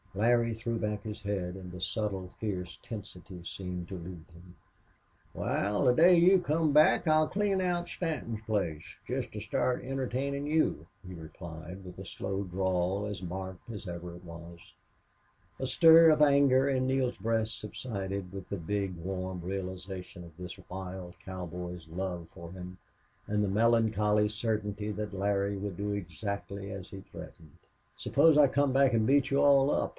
Larry threw back his head, and the subtle, fierce tensity seemed to leave him. "Wal, the day you come back I'll clean out Stanton's place jest to start entertainin' you," he replied, with his slow drawl as marked as ever it was. A stir of anger in Neale's breast subsided with the big, warm realization of this wild cowboy's love for him and the melancholy certainty that Larry would do exactly as he threatened. "Suppose I come back and beat you all up?"